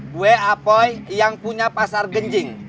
gue apoi yang punya pasar genjing